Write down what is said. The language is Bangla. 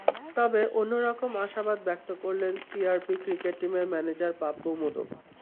তবে অন্য রকম আশাবাদ ব্যক্ত করলেন সিআরপি ক্রিকেট টিমের ম্যানেজার পাপ্পু মোদক।